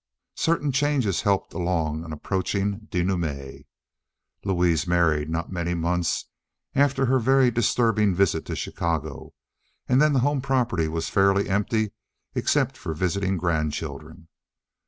Certain changes helped along an approaching denouement. Louise married not many months after her very disturbing visit to Chicago, and then the home property was fairly empty except for visiting grandchildren.